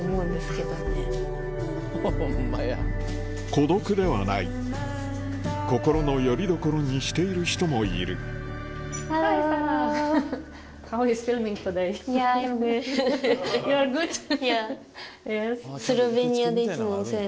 孤独ではない心のよりどころにしている人もいるＹｅａｈ．ミリアナさん。